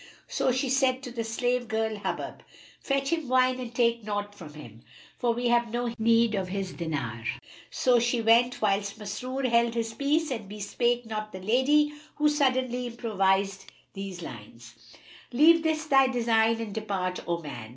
So she said to the slave girl Hubub, "Fetch him wine and take naught from him, for we have no need of his dinar." So she went whilst Masrur held his peace and bespake not the lady, who suddenly improvised these lines, "Leave this thy design and depart, O man!